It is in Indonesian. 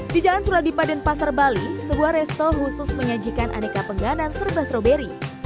di jalan suradipa dan pasar bali sebuah resto khusus menyajikan aneka penganan serba stroberi